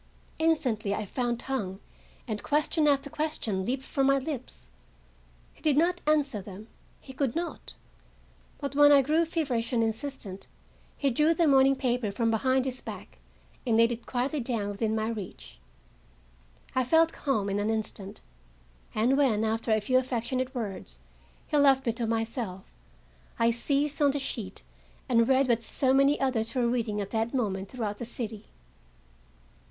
Instantly I found tongue, and question after question leaped from my lips. He did not answer them; he could not; but when I grew feverish and insistent, he drew the morning paper from behind his back, and laid it quietly down within my reach. I felt calmed in an instant, and when, after a few affectionate words, he left me to myself, I seized on the sheet and read what so many others were reading at that moment throughout the city.